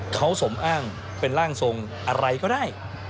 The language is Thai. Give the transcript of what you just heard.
เขาสมอ้างเป็นร่างทรงอะไรก็ได้